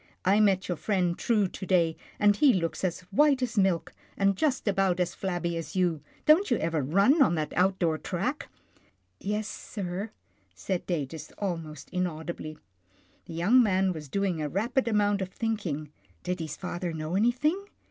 " I met your friend True to day, and he looks as white as milk, and just about as flabby as you. Don't you ever run on that out door track ?"" Yes, sir," said Datus almost inaudibly. The young man was doing a rapid amount of thinking. Did his father know anything?